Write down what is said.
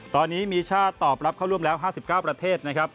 ตอนนี้มีชาติตอบรับเข้าร่วมแล้ว๕๙ประเทศนะครับ